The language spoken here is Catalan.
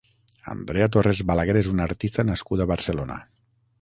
Andrea Torres Balaguer és una artista nascuda a Barcelona.